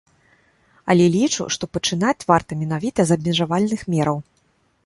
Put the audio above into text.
Але лічу, што пачынаць варта менавіта з абмежавальных мераў.